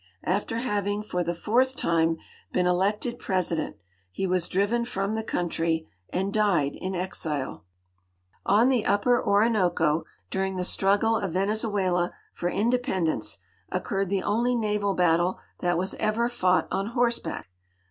After having for the fourth time l)een electetl president he was driven fnjin the country and died in exile. 90 GEOGRAPHIC NOTES On the upper Orinoco, during the struggle of Venezuela for independ ence, occurred the only naval battle that was ever fought on horseback.